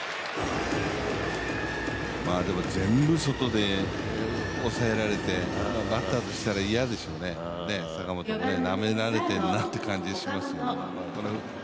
でも全部、外で抑えられてバッターとしたら嫌ですよね、坂本もねなめられてんなっていう感じしますよね。